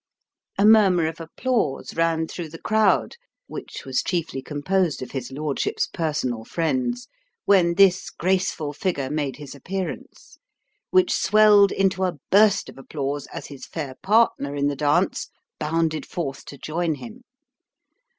A murmur of applause ran through the crowd (which was chiefly composed of his lordship's personal friends), when this graceful figure made his appearance, which swelled into a burst of applause as his fair partner in the dance bounded forth to join him.